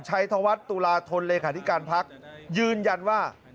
ธวัฒน์ตุลาธนเลขาธิการพักยืนยันว่า